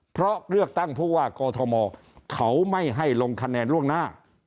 เพราะเลือกตั้งผู้ว่ากอทมเขาไม่ให้ลงคะแนนล่วงหน้า